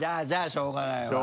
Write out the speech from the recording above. しょうがない。